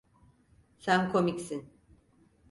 Sen komiksin.